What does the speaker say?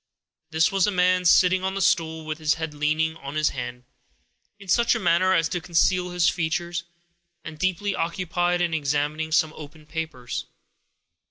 This was a man, sitting on the stool, with his head leaning on his hand, in such a manner as to conceal his features, and deeply occupied in examining some open papers.